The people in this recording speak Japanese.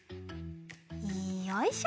よいしょ！